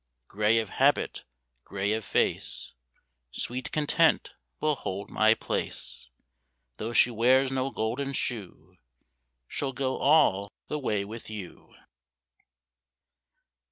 " Grey of habit, grave of face, Sweet Content will hold my place ; Though she wears no golden shoe She'll go all the way with you